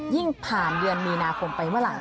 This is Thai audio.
ยิ่งผ่านเยือนมินาคมไปเมื่อละ